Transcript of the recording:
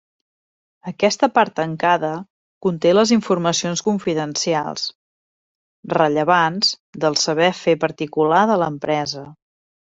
Aquesta part tancada conté les informacions confidencials, rellevants del saber fer particular de l’empresa.